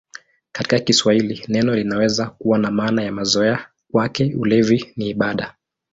Katika Kiswahili neno linaweza kuwa na maana ya mazoea: "Kwake ulevi ni ibada".